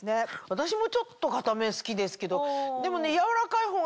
私もちょっと硬め好きですけどでもね。